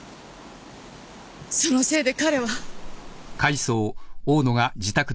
そのせいで彼は。